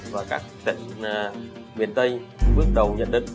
và các tỉnh miền tây bước đầu nhận định